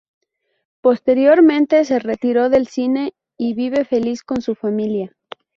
Posteriormente se retiró del cine y vive feliz con su familia.